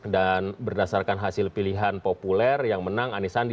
dan berdasarkan hasil pilihan populer yang menang anisandi